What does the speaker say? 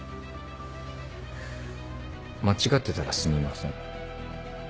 間違ってたらすみません。